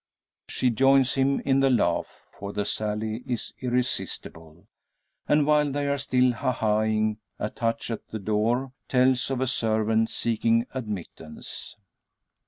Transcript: She joins him in the laugh, for the sally is irresistible. And while they are still ha ha ing, a touch at the door tells of a servant seeking admittance.